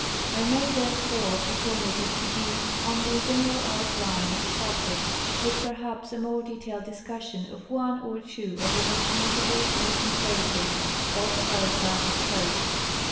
I may therefore be per mitted to give only a general outline of the subject, with perhaps a more detailed discussion of one or two of the most notable recent hurricanes off our Atlantic coast.